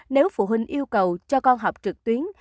nếu phụ huynh yêu cầu cho con học trực tuyến